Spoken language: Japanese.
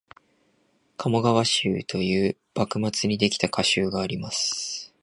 「鴨川集」という幕末にできた歌集があります